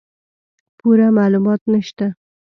پوره معلومات نشته